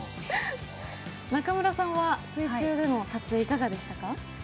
中村さんは水中での撮影はいかがでしたか？